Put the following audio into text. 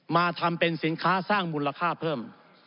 มาทำเป็นสินค้าสร้างมูลค่าเพิ่ม